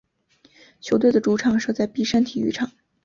球队的主场设在碧山体育场。